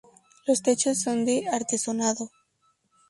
Los techos son de artesonado.